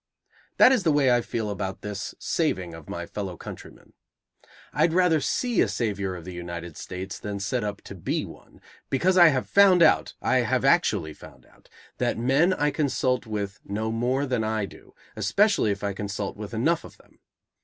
That is the way I feel about this saving of my fellow countrymen. I'd rather see a savior of the United States than set up to be one; because I have found out, I have actually found out, that men I consult with know more than I do, especially if I consult with enough of them.